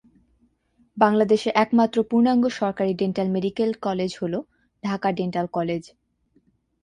বাংলাদেশের একমাত্র পূর্ণাঙ্গ সরকারি ডেন্টাল মেডিকেল কলেজ হলো ঢাকা ডেন্টাল কলেজ।